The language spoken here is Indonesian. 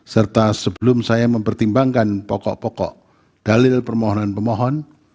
serta sebelum saya mempertimbangkan pokok pokok dalil permohonan pemohon